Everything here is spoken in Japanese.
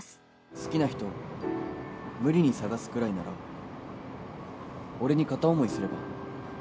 好きな人無理に探すくらいなら俺に片想いすれば？